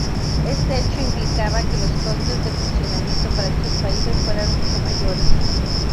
Este hecho implicaba que los costes de funcionamiento para dichos países fueran mucho mayores.